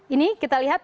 ini kita lihat